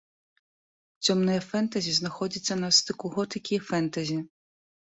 Цёмнае фэнтэзі знаходзіцца на стыку готыкі і фэнтэзі.